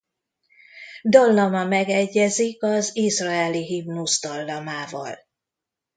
Dallama megegyezik az izraeli himnusz dallamával.